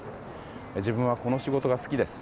自分はこの仕事が好きです。